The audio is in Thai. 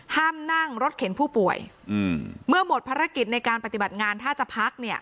ห้ามนั่งรถเข็นผู้ป่วยอืมเมื่อหมดภารกิจในการปฏิบัติงานถ้าจะพักเนี่ย